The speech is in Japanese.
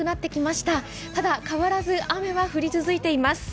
ただ変わらず雨は降り続いています。